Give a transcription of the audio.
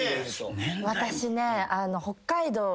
私ね。